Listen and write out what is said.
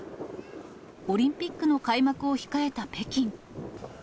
オリンピックの開幕を控えた北京。